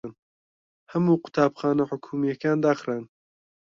هەموو قوتابخانە حکوومییەکان داخران.